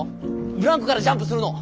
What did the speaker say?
ブランコからジャンプするの。